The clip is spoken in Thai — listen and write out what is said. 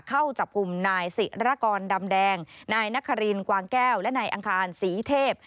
เข้าจับกลุ่มนายศิรกรดำแดงนายนครินกวางแก้วและนายอังคารศรีเทพ